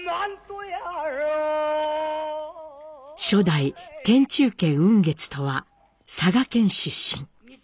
初代天中軒雲月とは佐賀県出身。